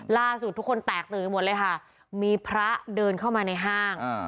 ล่าสุดทุกคนแตกตื่นหมดเลยค่ะมีพระเดินเข้ามาในห้าง